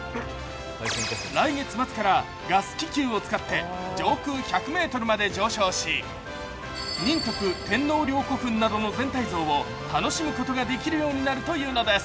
来月末からガス気球を使った上空１００ｍまで上昇し仁徳天皇陵古墳などの全体像を楽しむことができるようになるというのです。